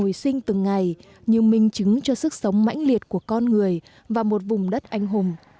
bàn này đang hồi sinh từng ngày như minh chứng cho sức sống mãnh liệt của con người và một vùng đất anh hùng